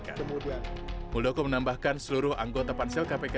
muldoko menambahkan seluruh anggota pansel kpk